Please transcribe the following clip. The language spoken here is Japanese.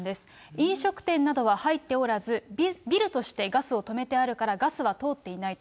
飲食店などは入っておらず、ビルとして止めてあるから、ガスは通っていないと。